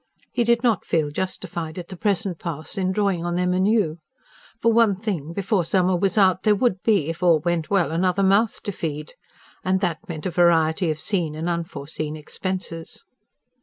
He did not feel justified at the present pass in drawing on them anew. For one thing, before summer was out there would be, if all went well, another mouth to feed. And that meant a variety of seen and unforeseen expenses.